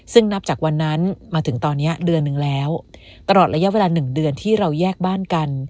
ซึ่งนับจากวันนั้นมาถึงตอนนี้เดือนหนึ่งแล้วตลอดระยะเวลา๑เดือนที่เราแยกบ้านกัน